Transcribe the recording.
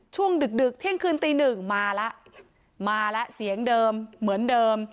ดึกดึกเที่ยงคืนตีหนึ่งมาแล้วมาแล้วเสียงเดิมเหมือนเดิม